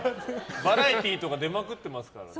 バラエティーとか出まくってますからね。